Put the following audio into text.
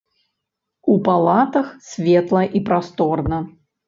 У палатах светла і прасторна.